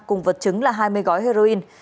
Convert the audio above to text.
cùng vật chứng là hai mươi gói heroin